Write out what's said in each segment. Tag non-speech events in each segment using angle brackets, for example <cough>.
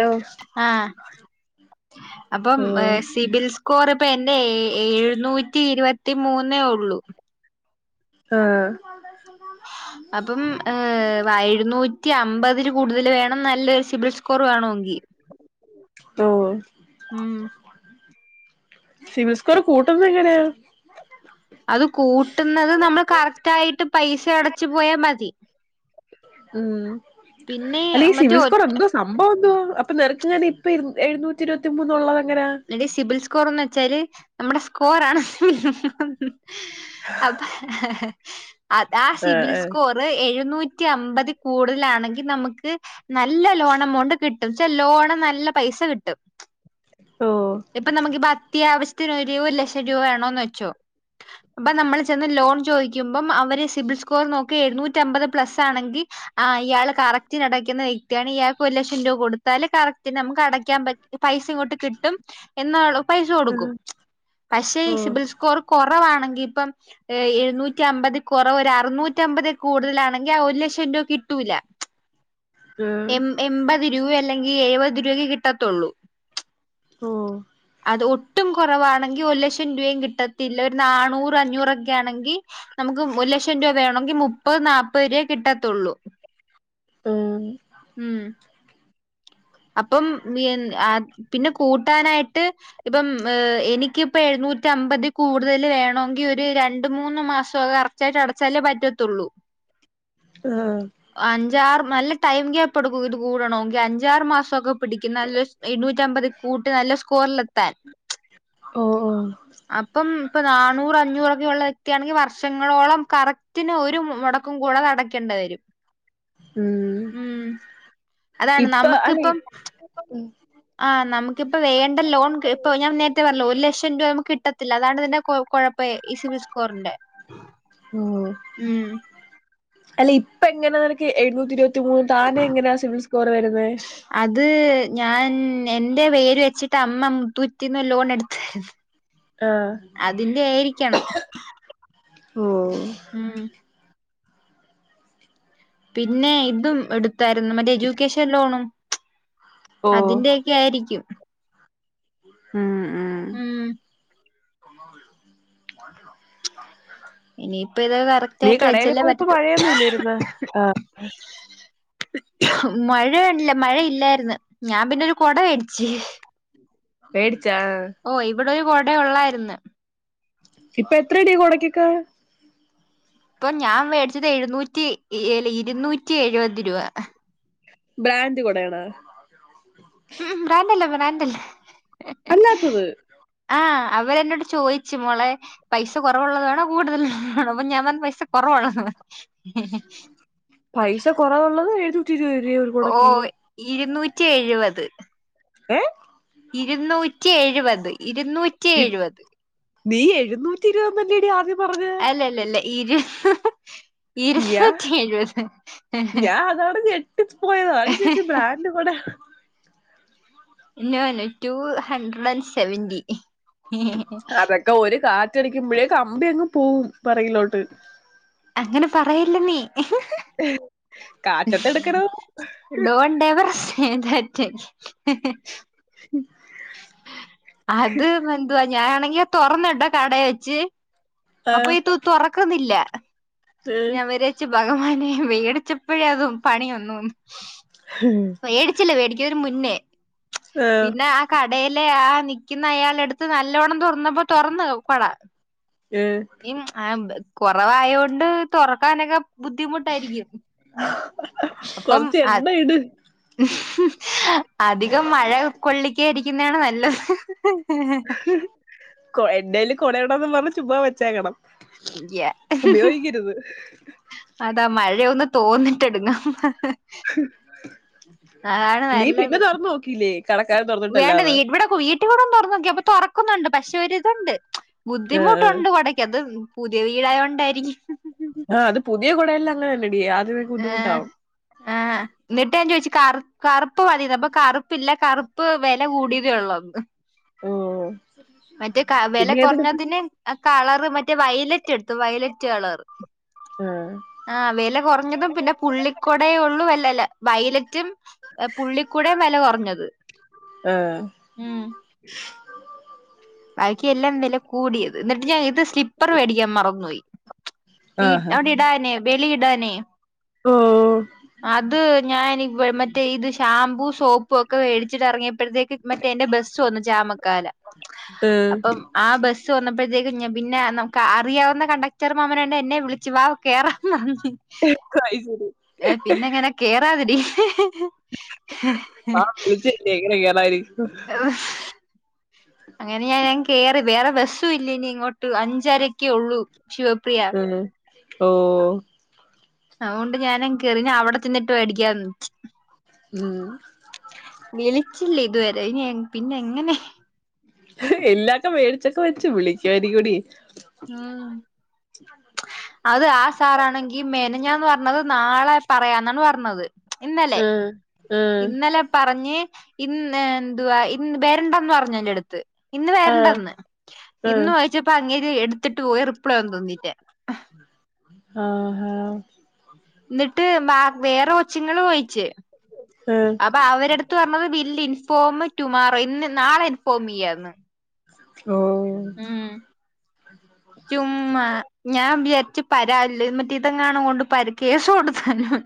ഓ ആ അപ്പം ഓ ഏ സിബിൽ സ്കോർ ഇപ്പെന്റെ ഏഴു നൂറ്റി ഇരുപത്തി മൂന്നേ ഉള്ളൂ ആ അപ്പം ഏ വായിഴുന്നൂ നൂറ്റി അമ്പതിൽ കൂടുതൽ വേണം നല്ലൊരു സിബിൽ സ്കോർ വേണെങ്കി ഉം ഉം സിവിൽ സ്കോർ കൂട്ടുന്നെങ്ങനെയാ അത് കൂട്ടുന്നത് നമ്മൾ കറക്റ്റായിട്ട് പൈസ അടച്ചു പോയാ മതി ഉം പിന്നെ അല്ല ഈ മറ്റേ ഒറ്റ സിവിൽസ്കോർ ഒന്തോ സംഭവംന്തേവാ അപ്പൊ നെക്കെങ്ങനെ ഇപ്പിരു എഴുന്നൂറ്റി ഇരുപത്തി മൂനുള്ള എടി സിബിൽ സ്കോറെന്ന് വെച്ചാല് നമ്മുടെ സ്കോറാണ് അപ്പ ആ ആഹ് സിബിൽ ആഹ് സ്കോറ് എഴുന്നൂ റ്റിയമ്പതി കൂടുതലാണെങ്കി നമ്മക്ക് നല്ല ലോൺ എമൗണ്ട് കി ലോണ് നല്ല പൈസ കിട്ടും ഓ ഇപ്പൊ നമുക്കിപ്പ അത്യാവശ്യ ത്തിനൊരു ഒരു ലക്ഷം രൂപ വേണോന്ന് വെച്ചോ അപ്പൊ നമ്മള് ചെന്ന് ലോൺ ചോദിക്കുമ്പം അവര് സിബിൽ സ്കോർ നോക്കി എഴുന്നൂറ്റി അമ്പത് പ്ലസ് ആണെങ്കി ആ ഇയാൾ കറക്റ്റ്നടയ്ക്കുന്ന വ്യക്തിയാണ് ഇയാൾക്ക് ഒരു ലക്ഷം രൂപ കൊടുത്താല് കറക്റ്റ് നമുക്ക് അടക്കാൻ പ പൈസിങ്ങോട്ട് എന്നാൾ പൈസ കൊടുക്കും ആഹ് പക്ഷേ ഈ ഓ സി ബിൽസ്കോർ കൊറവാണെ ഇപ്പം എഴുന്നൂറ്റി അമ്പതികുറവ് ഒരു അറുന്നൂറ്റമ്പത് കൂടുതലാണെങ്കിൽ ആ ഒരു ലക്ഷം രൂപ കിട്ടൂല്ല ആഹ് എം എംമ്പത് രൂപയല്ലെങ്കി എഴുപത് രൂപക്കെ കിട്ടത്തുള്ളൂ ഓ ഒട്ടും കുറവാണെങ്കിൽ ഒരു ലക്ഷം രൂപയും കിട്ടത്തില്ല ഒരു നാണൂറ് അഞ്ഞൂറൊക്കെ യാണെങ്കിൽ നമുക്ക് ഒരു ലക്ഷം രൂപ വേണമെങ്കിൽ മുപ്പത് നാല്പ്പത് രൂപയെ കിട്ടത്തുള്ളൂ ആഹ് ഉം അപ്പം <unintelligible> പിന്നെ കൂട്ടാനായിട്ട് ഇപ്പം ഏ എനിക്കിപ്പെഴുന്നൂ നൂറ്റമ്പതികൂടുതൽ വേണോങ്കി ഒരു രണ്ട് മൂന്ന് മാസം കററ്റായിട്ട് അടച്ചാലേ പറ്റത്തുള്ളൂ ആ അഞ്ചാറ് നല്ല ടൈം ഗ്യാപ്പെടുക്കും ഇത് കൂടണോങ്കി അഞ്ചാറ് മാസോക്കെ പിടിക്കും നല്ല എയൂറ്റമ്പത് കൂട്ട് നല്ല സ്കോറിലെത്താൻ ഓ ഓ അപ്പം ഇപ്പൊ നന്നൂറഞ്ഞൂറൊക്കെ ഉള്ള വ്യക്തിയാണെങ്കി വർഷങ്ങളോളം കറക്റ്റന് ഒരു മുടക്കും കൂടാതെ അടക്കണ്ടെ രും ഉം അതാണ് ഇപ്പൊ അല്ലെ <inaudible> നമുക്കിപ്പം ആ നമുക്കിപ്പ വേണ്ട ലോൺ ഇപ്പൊ ഞാൻ നേരത്തെ പറഞ്ഞല്ലോ ഒരു ലക്ഷം രൂപ നമുക്ക് കിട്ട ത്തില്ല അതാണ് ഇതിന്റെ കൊ കൊഴപ്പം ഈ സിബിൽസ്കോറിന്റെ ഉം ഉം അല്ല ഇപ്പ എങ്ങനെ നിനക്ക് എഴുന്നൂറ്റിരുപത്തി മൂന്ന് താനെ യിങ്ങനെ സിബിൽ സ്കോർ വരുന്നെ അത് ഞാൻ എന്റെ പേര് വെച്ചിട്ട് അമ്മ മു തുുറ്റിന്ന് ലോൺ എടുത്തരുന്നു ആഹ് അതിന്റെ ആയിരിക്കണം മ്മ് ഉം പിന്നെ ഇതും എടുത്തായിരുന്നു മറ്റേ എജ്യൂക്കേഷൻ ലോണും ഓ അതിന്റെൊക്കെ ആയിരിക്കും ഹം ഉം ഒന്ന ഇനിയിപ്പ ഇത് കറക്റ്റ് നീ ആയിട്ട് കടൽ വെച്ചല്ലേ പോയപ്പോ പറ്റത്തു മഴയൊന്നും ഇല്ലരുന്ന ആ ഉം മഴയണല്ല മഴ ഇല്ലായിന്ന് ഞാൻ പിന്നെരു കൊട മേടിച്ചേ മേടി ഓ ഇവിടെ ഒരു കുട ഉള്ളായിര് ന്ന് ഇപ്പൊ എത്ര അടയാ കൊടക്കക്ക ഇപ്പൊ ഞാൻ മേടിച്ചത് എഴുന്നൂറ്റി ഏ ഇരുന്നൂറ്റി എഴുപത് രൂപ ബ്രാൻഡ് കൂടെയണ ഉം ബ്രാഡല്ല ബ്രാഡല്ല അല്ലാത്തത് ആ അവര എന്നോട്ട് ചോദിച്ചു മോളെ പൈസ കുറവുള്ളത് വേണോ കൂടുതല വേണം അപ്പൊ ഞാൻ വന്ന പൈസ കുറവുള്ളത് പൈസ കറാവല്ലത് ഓ ഇരുന്നൂറ്റി എഴുപത് ഏ ഇരുന്നൂറ്റി എഴുപത് ഇരുന്നൂറ്റി എഴുപത് നീ എഴുന്നൂറ്റി ഇരുപതല്ലടി ആദ്യം പറഞ്ഞത് ഇരുപറ്റി എഴുപത് ഞാൻ അതാണ് ഞെട്ടി പോയത് അതാണ് ചേച്ചി ബ്രാൻഡ് കുട ഇന്ന ടു ഹണ്ട്രഡ് ആൻഡ് സെവന്റിി അതൊക്കെ ഒരു കാറ്റടിക്കുമ്പോഴേ കമ്പി അങ്ങ് പോകവും പറയിലോട്ട് അങ്ങനെ പറയില്ല നീ ആ ഡോൺ ഡേബർ സ്നേതറ്റ് അത് എന്വാ ഞാനാണെങ്കി തുറന്നുടോ കടയെ വെച്ച് ആ അപ്പൊ ഈത്ത്ത് തുറക്കുന്നില്ല ഏ ഞാൻ വിരാച്ച ഭഗവാനെ മേടിച്ചപ്പോഴേ അതും പണിയൊന്നുന്നു മേടിച്ചില്ല മേടിക്കതിന് മുന്നേ ആ പിന്നെ ആ കടയിലെ ആ നിക്കുന്ന അയാള എടുത്ത് നല്ലവണ്ണം തുൊറന്നപ്പോൊ തുറന്ന് പട ഏ കുറവായൊണ്ട് തുറക്കാനൊക്കെ ബുദ്ധിമുട്ടായിരിക്കും അപ്പം കൊറച്ച് എണ്ണ ഇട് അധികം മഴ കൊള്ളിക്കരിക്കും കൊ എന്റെൽ കൊടവിടന്ന് പറ ചുമ്മാ വെച്ചേക്കണം <unintelligible> ഉപയോഗിക്കരുത് അതാ മഴ ഴ ഒന്ന് തോന്നിട്ടെടുങ്ങും നീ പിന്നെ നല്ലത് തുറന്ന് നോക്കില്ലേ കടക്കാരൻ തുറന്നിട്ടല്ലാതെ ട്ടി കൂട തുറന്നോക്കി അപ്പൊ തുറക്കുന്നുണ്ട് പക്ഷെ ഒരിതുണ്ട് ആ ആ ബുദ്ധിമുട്ടുണ്ട് കുടക്ക് അത് പുതിയ വീടായോണ്ടായിരിക്കും ആ അത് പുതിയ കുടയെല്ലാം അങ്ങനെ തന്നെടി ആദ്യമക്ക് ബുദ്ധിമുട്ടാവും ആ എന്നിട്ട് ഞാൻ ചോദിച്ചു ക കറുപ്പ് മതി അപ്പൊ കറുപ്പില്ല കറുപ്പ് വില കൂടിയതേള്ളൂ <unintelligible> മ് മറ്റേ വെല. കൊറഞ്ഞതിന്. കളറ് മറ്റേ വയല റ്റ്. എടുത്ത്. വൈലറ്റ്കളർ ആ ആ. വെല. കൊറഞ്ഞതും. പിന്നെ പുള്ളികൊടെയെ. ഉള്ളൂ. വല്ലല്ല. വൈലറ്റും ഹേ. പുള്ളിക്കൂടേം. വെല കൊർഞ്ഞത് ആ ഉം ബാക്കി. എല്ലാം. വില കൂടിയത് ന്നിട്ട്ഞാൻ. ഇത്. സ്ലിപ്പർ. മേടിക്കാൻ മറന്നോയി. ഈ ആഹാ ട്ട. ഇടാനെ ബലി.. ഇടാനെ ഓ അത്. ഞാൻനിവ. മറ്റേ. ഇത് ഷാംമ്പൂ ഷോ പ്പൊക്കെ വെടിചിട്ടറങ്ങിയപ്പോഴത്തേക്ക് മറ്റേ എന്റെ ബസ്സ്‌ വന്നു. ചാമക്കാര ഏ അപ്പം. ആ. ബസ്സ്. വന്നപ്പെ ത്തേക്കും. പിന്നെ നമ്മക്ക്. അറിയാവുന്ന. കണ്ടക്ടർ മാമനന്നെ എന്നെ വിളിച്ചു വാ കേറാം പറഞ്ഞ് അയ്ശരി ഏ. പിന്നെങ്ങനെ. കേറാതി ടി ആ. വിളിച്ചല്ലേ എങ്ങനെ കേറാതി രി അങ്ങനെ. ഞൻ കേറി. വേറെ ബസ്സും ഇല്ല. ഇനി. ഇങ്ങോട്ട്. അഞ്ചരക്കേ ഒള്ളൂ ശിവപ്രിയ ഉം ഓ അവോണ്ട്. ഞാൻ കേറി. അവിടെ ചെന്നിട്ട്. വേടിക്കാന്ന് വെച്ച് ഉം വിളിച്ചില്ലേ. ഇതുവരെ. ഇനിഎ. പിന്നെ എങ്ങനെ എല്ലാക്കെ. മേടിച്ചൊക്കെ വെച്ചു വിളിക്ക്യയിരികൊടി ഉം അത്. ആ. സാറാണെങ്കി മെനഞ്ഞാന്ന്. പർഞ്ഞത്. നാളെ. പറയാന്നാണ്. പർഞ്ഞത് ആ ആ ഇന്നലെ. പറഞ്ഞി. ഇന്ന് എന്തുവാ. ഇൻ. വരണ്ടന്ന്. പർഞ്ഞു. എന്റെടുത്ത് ഇന്ന് ആ വരണ്ടന്ന് ആ ഇന്ന് വോയിച്ച പ്പോ. അങ്ങേര്. എടുത്തിട്ട് പോയ റിപ്ലൈഒന്നും. തന്നില്ല ആ, ഹാ ന്നിട്ട്. ബാ. വേറെ. കൊച്ചുങ്ങള്. വോയിച് ആ അപ്പൊ. അവരെടുത്ത്. പർഞ്ഞത്. ബില്ലി. Inform. ടുമാറോ. ഇന്ന്. നാളെ ഇൻഫോം. യ്യാന്ന് ഓ മ്മ്. ചുമ്മ. ഞാൻ. വിചാരിച്ചു. പരാ മറ്റേ. ഇതെങ്ങാണും. ഒണ്ട്. പരികേസ് കൊടുത്താലോന്ന്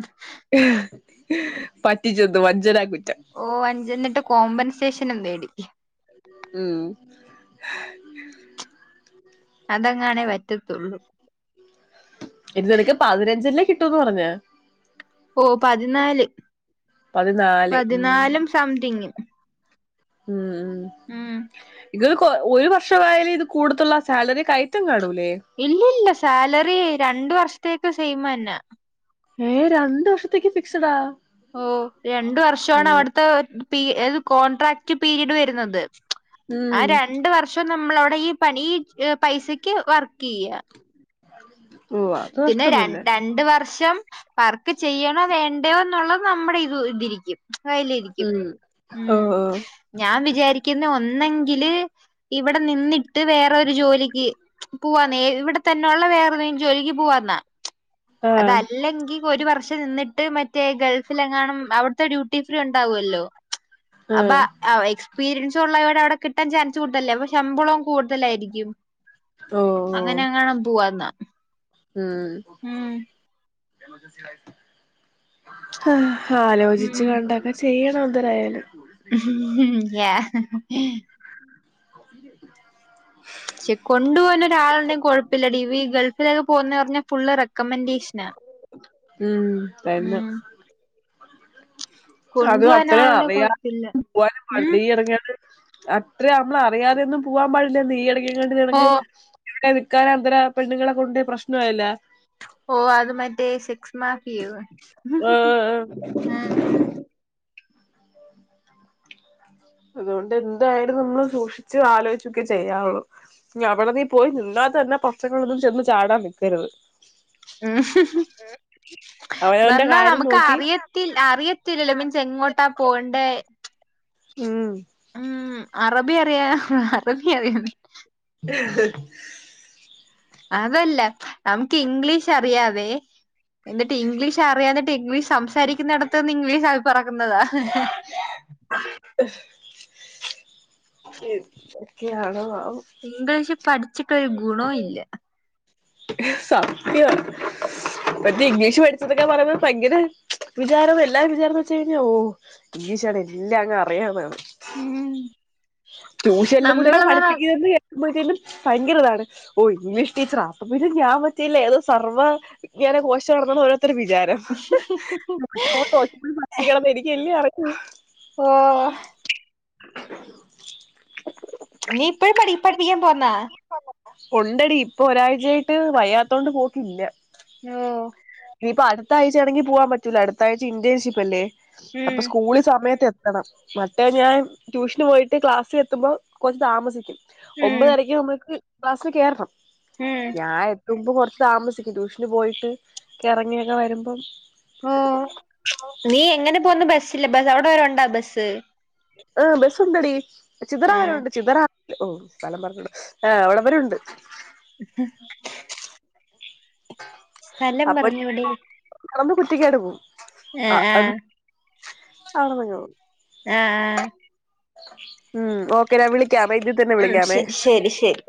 പറ്റിചെന്ത്‌. വഞ്ചനാ. കു ഓ. അഞ്ചന്നിട്ട്. കോമ്പൻസേഷനും. തേടി ഉം അതെങ്ങാനേ. വറ്റതൊള്ളൂ ഇനി. നിനിക്ക്. പതിനഞ്ചല്ലേ കിട്ടൂന്ന് പറഞ്ഞേ ഓ. പതിനാല്. പതിനാല് പതിനാലും. സംതിങ് മ്മ്. ഉം ഇത് ഒരു വർഷമായാൽ. ഇത് കൂടത്തൊള്ളൂ സാലറി കയറ്റം കാണു ലെ ഇല്ലല്ല. സാലറി. രണ്ടു വർഷത്തേക്ക് സെയ്മെന്നെ ഏ. രണ്ടു. വർഷത്തേക്ക് ഫിക്സ്ഡാ ഓ, രണ്ട്. വർഷാണ്. അവിടുത്തെ പി. ഏത്. Contract period. വരുന്നത് ആ ഉം രണ്ട് വർഷം നമ്മളവിടെ ഈ പണി ഈ. പൈസ ക്ക് വർക്കെയ്യാ ഉവ്വാ അത്. നഷ്ടംതന്നെ പർക്ക്. ചെയ്യണോ. വേണ്ടയോ. എന്നുള്ളത്. നമ്മുടെ ഇത് ഇതിരിക്കും കയ്ല. ഇരിക്കും. ഉം ഓ മ്. ഓ ഞാൻ വിചാരിക്കുന്ന ഒന്നെങ്കില് ഇവിടെ. നിന്നിട്ട് വേറരു ജോലിക്ക്. ച്. പോവാന്ന്. എ. ഇവിടെ തന്നെ ഉള്ള വേറൊരു ജോലിക്ക്. പോവാന്ന. ആഹ് അതല്ലെങ്കി. ഒരു വർഷ് നിന്നിട്ട് മറ്റേ. ഗൾഫിലെങ്ങാനും അവിടുത്തെ. ഡ്യൂട്ടി ണ്ടാവോല്ലോ. ച്. അപ്പ. ആഹ് അവ. സ്പീരി യൻസ് റ്റുള്ളവരെ അവിടെ കിട്ടാൻ ചാൻസ് കൂടുതലല്ലേ അപ്പ ശമ്പളവും കൂടുതലായിരിക്കും. ഓ ഓ അങ്ങനെ അങ്ങണ പോവാന്നാ ഉം ഉം ഹ ഹാലോചിച്ച് കണ്ടക്കെ ചെയ്യണം അന്തരായാലും ഉം യ <inaudible> ശെ കൊണ്ട് പോകൻ ഒരാളുണ്ടെങ്കി കുഴപ്പില്ലടീ ഈ ഗൾഫിലേക്ക് പോവുന്ന പറഞ്ഞാ പുള്ളേരെ റക്കമന്റേഷന ഉം തന്നെ ഉം അതും കൊണ്ടുപോകാൻ അത്രയും ആളുണ്ടെങ്കിൽ അറിയ കുഴപ്പമില്ല പോവാൻ ഉം പള്ളി ഇറങ്ങേണ്ട അത്ര നമ്മള അറിയാതെ ഒന്നും പോവാൻ പാടില്ല. നീ ഇടക് ഓ <unintelligible> <unintelligible> അന്തര പെണ്ണുങ്ങളെ കൊണ്ട് പ്രശ്ന ആയില്ലെ ഓ അത് മറ്റേ ശ കസ് മാഫി ഏഹ് അതുകൊണ്ട് എന്തായാലും നമ്മൾ സൂക്ഷിച്ച് ആലോചിച്ചൊക്കെ ചെയ്യാവുള്ളൂ. അവിടെ നീ പോയി നി ന്ന തന്നെ പ്രശ്നങ്ങളിനൊന്നും ചെന്ന് ചാടാൻ നിക്കരുത്. ഉം ഹ്ഹ് അവനവന്റെ എന്നാൽ കാര്യം നമുക്ക് നോക്കി അറിയത്തി അറിയത്തില്ലല്ലോ മീൻസ് എങ്ങോട്ടാ പോകേണ്ട ഉം ഉം അറബി അറിയ ഹ അറബി അറിയാ ഹ്ഹ് അതല്ല നമുക്ക് ഇംഗ്ലീഷ് അറിയാതെ എന്നിട്ട് ഇംഗ്ലീഷ് അറിയാഞ്ഞിട്ട് ഇംഗ്ലീഷ് സംസാരിക്കുന്നിടത്തന്ന് ഇംഗ്ലീഷ് ആയി പറക്കുന്നതാ എന്തക്ക്യ ആണോ ആവോ ഇംഗ്ലീഷിൽ പഠിച്ചിട്ടൊരു ഗുണം ഇല്ല സത്യ മറ്റേ ഇംഗ്ലീഷ് പഠിച്ചതൊക്കെ പറയുമ്പോ ഭയങ്കര വിചാരം എല്ലാര വിചാരംന്ന് വെച്ച കഴിഞ്ഞാ ഓ ഇംഗ്ലീഷാണ് എല്ലാം അങ്ങ് അറിയാന്നാണ് ഉം ട്യൂഷനൽ കൂടെയ നമ്മള് പറ പഠിപ്പിക്കന്ന് കേ <unintelligible> ഭയങ്കരതാണ് ഓ ഇംഗ്ലീഷ് ടീച്ചറ അപ്പ പിന്ന ഞാൻ മറ്റേ ലതോ സർവ കോശ ഘടനം പറ ത്ര വിചാരം <unintelligible> എനിക്കല്ലെ അറിയു ഓ നീ ഇപ്പഴ പഠിപ്പിക്കാൻ പോന്നാ ഉണ്ടടി ഇപ്പൊ ഒരാഴ്ചയായിട്ട് വയ്യാത്തോണ്ട് പോക്കില്ല ഓ ഇനിയിപ്പ അടുത്ത ആഴ്ച ആണെങ്കിൽ പോവാൻ പറ്റൂല. അടുത്ത ആഴ്ച ഇന്റേഷിപ്പ്ല്ലേ ഉം അപ്പൊ സ്കൂള് സമയത്ത് എ ത്തണം മറ്റേ ഞാൻ ട്യൂഷന് പോയിട്ട് ക്ലാസ്സിൽ എത്തുമ്പോൾ കൊറച്ച് താമസിക്കും. ഉം ഒമ്പതരക്ക് നമ്മുക്ക് ക്ലാസ്സിൽ കേറണം. ഉം ഞാൻ എത്തുമ്പം കുറ ച്ച് താമസിക്കും. ട്യൂഷന് പോയിട്ട് ക റങ്ങിയൊക്കെ വരുമ്പം ഓ നീ എങ്ങനെ പോന്ന് ബസ്സില്ല ബ അവിടെ വരണ്ടാ ബസ് ആ് ബസ്സുണ്ടടി ചിദറ ആഹ് വരെ ഉണ്ട്. ചിദറ ഓ സ്ഥലം പറഞ്ഞോളു ആഹ് അവടെവരുണ്ട് ഹുഹ് അപ്പൊ പറഞ്ഞൂടെ പറമ്പ് കുറ്റിക്കാടു പോും. ആഹ് ആഹ് അവ്ട്ന്ന്ങ ആഹ് ആഹ് ഉം ഓക്കെ ഞാൻ വിളിക്കാമേ ഇതി തന്നെ ആഹ് ഉം വിളിക്കാമേ ശരി ശരി ശരി